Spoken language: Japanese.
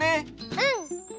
うん！